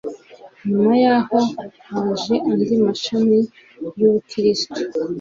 nyuma y'aho haje andi mashami y'ubukristu